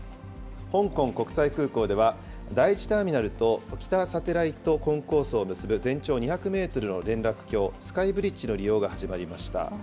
香港国際空港では、第１ターミナルと北サテライトコンコースを結ぶ全長２００メートルの連絡橋、スカイブリッジの利用が始まりました。